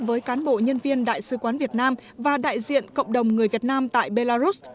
với cán bộ nhân viên đại sứ quán việt nam và đại diện cộng đồng người việt nam tại belarus